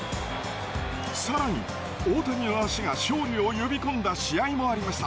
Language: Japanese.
さらに大谷の足が勝利を呼び込んだ試合もありました。